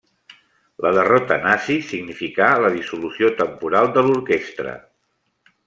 La derrota nazi significà la dissolució temporal de l'orquestra.